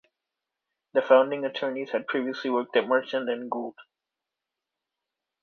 The founding attorneys had previously worked at Merchant and Gould.